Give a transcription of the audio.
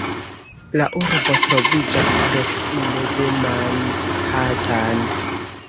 La urbo troviĝas proksime de Manhattan.